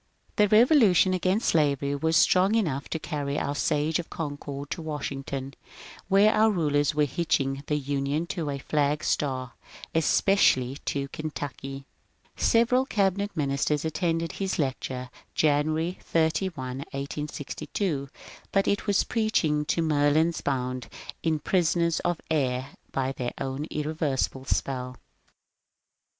The revolution against slavery was strong enough to carry our " Sage of Concord " to Washington, where our rulers were hitching the Union to a flag star, especially to Ken tucky. Several Cabinet ministers attended his lecture (Janu ary 31, 1862), but it was preaching to Merlins bound in prisons of air by their own irreversible spell.